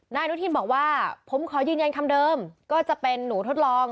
อนุทินบอกว่าผมขอยืนยันคำเดิมก็จะเป็นหนูทดลอง